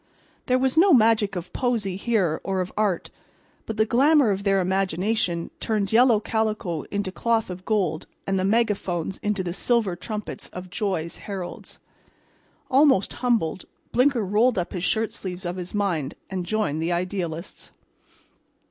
There was no magic of poesy here or of art; but the glamour of their imagination turned yellow calico into cloth of gold and the megaphones into the silver trumpets of joy's heralds. Almost humbled, Blinker rolled up the shirt sleeves of his mind and joined the idealists.